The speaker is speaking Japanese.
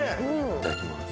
いただきます。